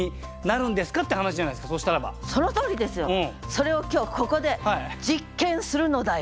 それを今日ここで実験するのだよ！